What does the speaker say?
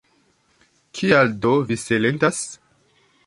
Kial do vi silentas?